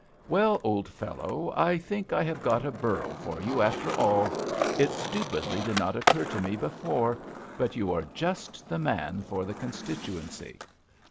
"Well, old fellow, I think I have got a borough for you, after all. It stupidly did not occur to me before, but you are just the man for the constituency."